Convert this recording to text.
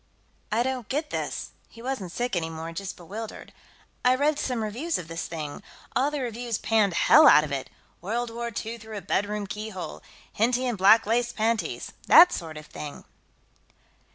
"I don't get this." He wasn't sick, anymore, just bewildered. "I read some reviews of this thing. All the reviewers panned hell out of it 'World War II Through a Bedroom Keyhole'; 'Henty in Black Lace Panties' that sort of thing."